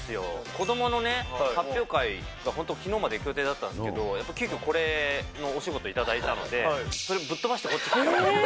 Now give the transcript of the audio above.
子どものね、発表会、本当はきのうまで行く予定だったんですけど、やっぱりきょうこれのお仕事頂いたので、それぶっ飛ばしてこっちに来た。